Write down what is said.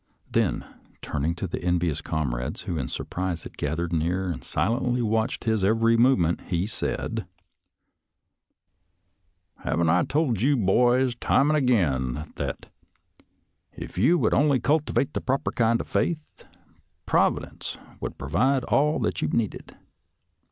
Then, turning to the envious comrades who in surprise had gathered near and silently watched his every movement, Jie said, " Haven't I told you, boys, time and again, that if you_would only cultivate the proper kind of faith, Providence would provide all that you needed.?